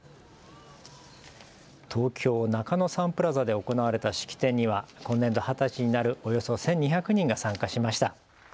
東京、中野サンプラザで行われた式典には今年度、二十歳になるおよそ１２００人が参加しました。